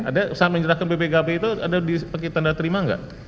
ada saat menjelaskan bpkp itu ada pakai tanda terima gak